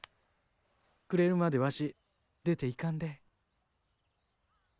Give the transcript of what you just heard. くれるまでわし出ていかんで？